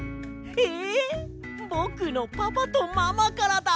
えぼくのパパとママからだ！